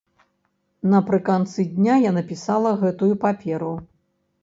Напрыканцы дня я напісала гэтую паперу.